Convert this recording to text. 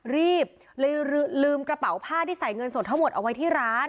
รีบเลยลืมกระเป๋าผ้าที่ใส่เงินสดทั้งหมดเอาไว้ที่ร้าน